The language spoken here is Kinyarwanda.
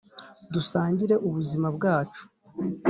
dusangire ubuzima bwacu